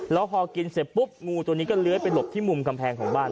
แล้วพอกินเสร็จปุ๊บงูตัวนี้ก็เลื้อยไปหลบที่มุมกำแพงของบ้าน